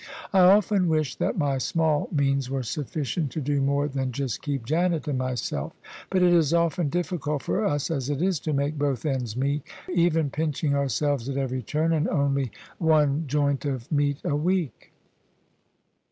I often wish that my small means were sufficient to do more than just keep Janet and myself: but it is often difficult for us as it is to make both ends meet, even pinching ourselves at every turn, and only one joint of meat a week."